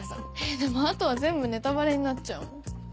でもあとは全部ネタバレになっちゃうもん。